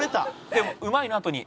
でも「うまい」のあとに。